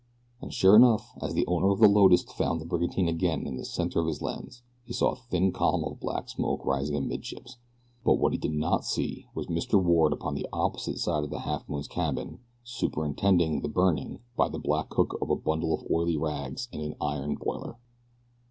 And sure enough, as the owner of the Lotus found the brigantine again in the center of his lens he saw a thin column of black smoke rising amidships; but what he did not see was Mr. Ward upon the opposite side of the Halfmoon's cabin superintending the burning by the black cook of a bundle of oily rags in an iron boiler.